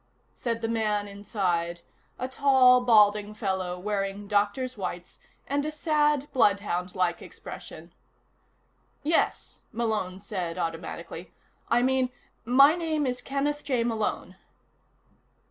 said the man inside, a tall, balding fellow wearing doctor's whites and a sad, bloodhound like expression. "Yes," Malone said automatically. "I mean my name is Kenneth J. Malone."